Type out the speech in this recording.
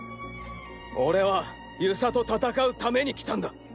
俺は遊佐と戦うためにきたんだ。